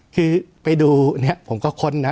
คือไปดูเนี่ยผมก็ค้นนะ